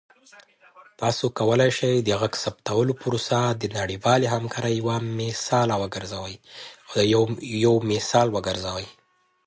تاسو کولی شئ د غږ ثبتولو پروسه د نړیوالې همکارۍ یوه مثاله وګرځوئ.